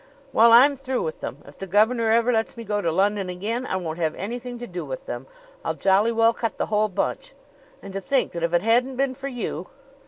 Well, I'm through with them. If the governor ever lets me go to London again, I won't have anything to do with them. I'll jolly well cut the whole bunch! And to think that, if it hadn't been for you